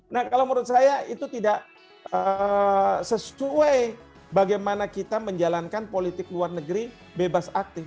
nah kalau menurut saya itu tidak sesuai bagaimana kita menjalankan politik luar negeri bebas aktif